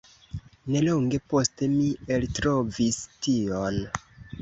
Nelonge poste mi eltrovis tion.